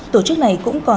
tổ chức này cũng còn